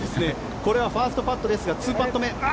これはファーストパットですが２パット目。